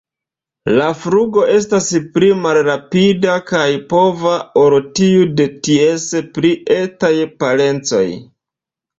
La flugo estas pli malrapida kaj pova ol tiu de ties pli etaj parencoj.